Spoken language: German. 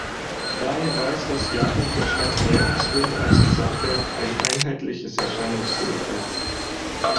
Daher weist das Jahrbuch der Stadt Wädenswil als Gesamtwerk ein einheitliches Erscheinungsbild auf.